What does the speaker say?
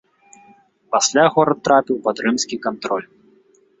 Пасля горад трапіў пад рымскі кантроль.